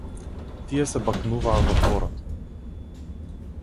Тие се бакнуваа во дворот.